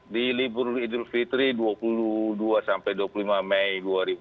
di libur idul fitri dua puluh dua sampai dua puluh lima mei dua ribu dua puluh